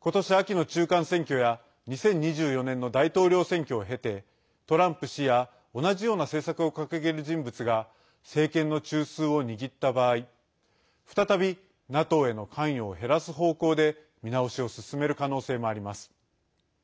ことし秋の中間選挙や２０２４年の大統領選挙を経てトランプ氏や同じような政策を掲げる人物が政権の中枢を握った場合再び、ＮＡＴＯへの関与を減らす方向で見直しを進める可能性もあります。